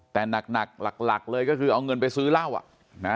แต่หนักหลักเลยก็คือเอาเงินไปซื้อเหล้าอ่ะนะ